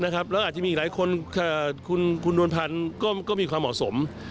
แล้วอาจจะมีอีกหลายคนคุณนวลพันธ์ก็มีความเหมาะสม